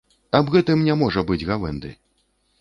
Аб гэтым не можа быць гавэнды.